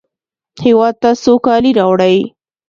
هېواد ته سوکالي راوړئ